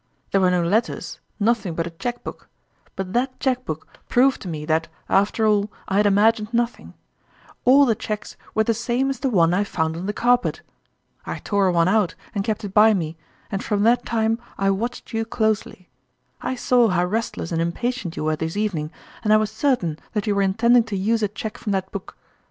There were no letters, nothing but a cheque book ; but that cheque book proved to me that, after all, I had imagined nothing: all the cheques were the same as the one I found on the carpet! I tore one out and kept it by me, and from that time I watched you closely. I saw how restless and impa tient you were this evening, and I was cer tain that you were intending to use a cheque from that book.